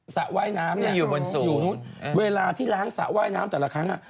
สระว่ายน้ำเนี่ยอยู่นู้นเวลาที่ล้างสระว่ายน้ำแต่ละครั้ง